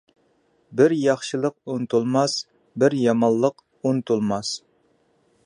بىر ياخشىلىق ئۇنتۇلماس، بىر يامانلىق ئۇنتۇلماس.